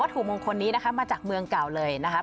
ถูกมงคลนี้นะคะมาจากเมืองเก่าเลยนะคะ